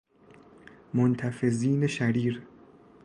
متنفذین شریر